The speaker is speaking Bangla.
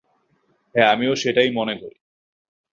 হ্যাঁ আমিও সেটাই মনে করি।